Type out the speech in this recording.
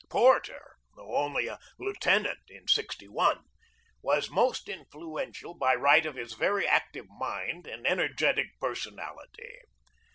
Porter, though only a lieutenant in '61, was most influential by right of his very active mind and energetic personality.